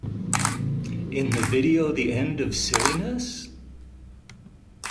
In the video The End of Silliness?